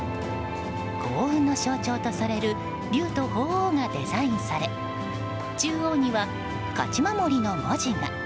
幸運の象徴とされる竜と鳳凰がデザインされ中央には、勝守の文字が。